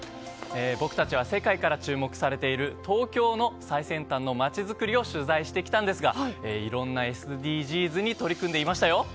僕たちは世界から注目されている東京の最先端の街づくりを取材してきたんですがいろんなＳＤＧｓに取り組んできましたよ。